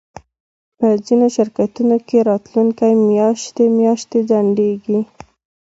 په ځینو شرکتونو کې راتلونکی میاشتې میاشتې ځنډیږي